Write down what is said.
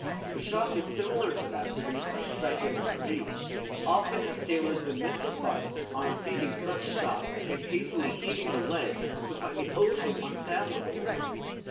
The shock is similar to that produced by striking on a reef. Often have sailors been mystified, on receiving such shocks and hastily heaving the lead, to find the ocean unfathomable.